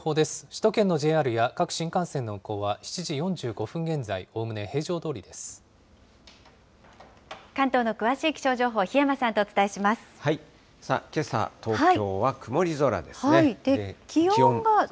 首都圏のＪＲや各新幹線の運行は７時４５分現在、おおむね平常ど関東の詳しい気象情報、檜山けさ、東京は曇り空ですね。